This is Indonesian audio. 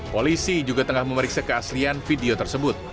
polisi juga tengah memeriksa keaslian video tersebut